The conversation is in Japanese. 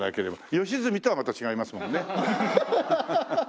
良純とはまた違いますもんね？